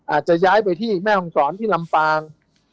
อาจจะย้ายไปที่แม่ห้องศรที่ลำปาง